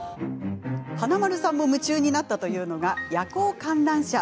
華丸さんも夢中になったというのが「夜行観覧車」。